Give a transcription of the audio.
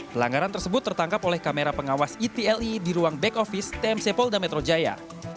pelanggaran tersebut tertangkap oleh kamera pengawas etle di ruang back office tmc polda metro jaya